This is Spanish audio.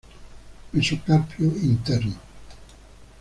Mesocarpio interno.